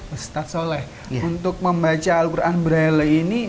ustadz soleh untuk membaca al quran braille ini